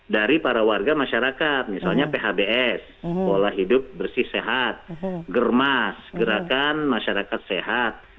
dari para warga masyarakat misalnya phbs pola hidup bersih sehat germas gerakan masyarakat sehat